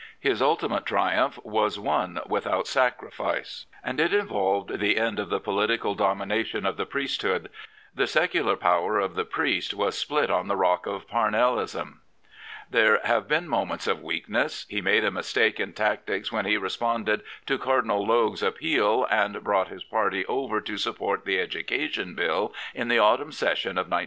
His ultimate triumph was won without sacri fice, and it involved the end of the political domina tion of the priesthood. The secular power of the priest was split on the rock of Pamellism. There have been moments of weakness. He made a mistake in tactics when he responded to Cardinal Logue's appeal and brought his party over to sup port the Education Bill in the autumn Session of 1902.